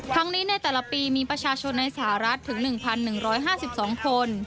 ทั้งนี้ในแต่ละปีมีประชาชนในสหรัฐถึง๑๑๕๒คน